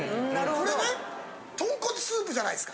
これね。